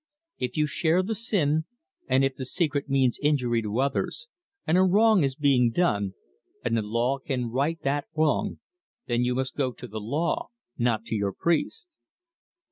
"If you share the sin, and if the secret means injury to others, and a wrong is being done, and the law can right that wrong, then you must go to the law, not to your priest."